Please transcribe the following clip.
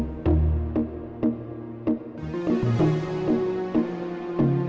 sayang ngapain kok metik metikin bunga